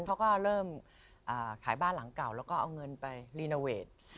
เขาก็เริ่มขายบ้านหลังเก่าแล้วก็เอาเงินไปรีโนเวท